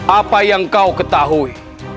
apa yang kau ketahui